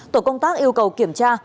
tổ công tác yêu cầu kiểm tra